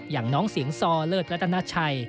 อย่างน้องเสียงซอเลิศรัตนาชัย